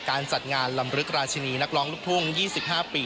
จัดงานลำลึกราชินีนักร้องลูกทุ่ง๒๕ปี